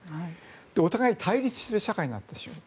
お互い対立する社会になってしまった。